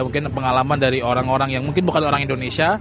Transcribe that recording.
mungkin pengalaman dari orang orang yang mungkin bukan orang indonesia